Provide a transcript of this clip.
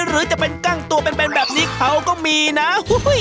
หรือจะเป็นกั้งตัวเป็นแบบนี้เขาก็มีนะ